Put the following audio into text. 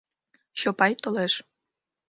Чопай толеш.